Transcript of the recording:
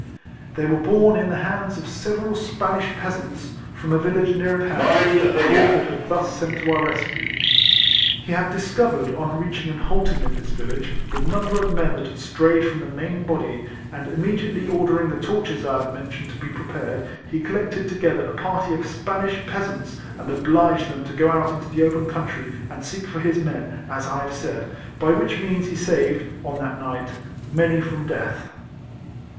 They were borne in the hands of 214 RECOLLECTIONS OF several Spanish peasants, from a village near at hand, whom Craufurd had thus sent to our rescue. He had discovered, on reaching and halt ing in this village, the number of men that had strayed from the main body, and im mediately ordering the torches I have men tioned to be prepared, he collected together a party of Spanish peasants, and obliged them to go out into the open country, and seek for his men, as I have said; by which means he saved (on that night) many from death.